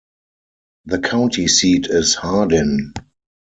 The county seat is Hardin.